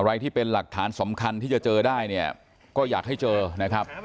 อะไรที่เป็นหลักฐานสำคัญที่จะเจอได้เนี่ยก็อยากให้เจอนะครับ